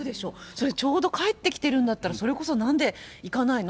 それ、ちょうど帰ってきてるんだったら、それこそなんで行かないの？